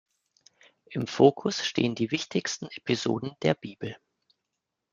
Im Fokus stehen die wichtigsten Episoden der Bibel.